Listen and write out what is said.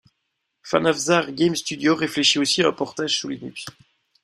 Fanafzar Game Studio réfléchit aussi à un portage sous Linux.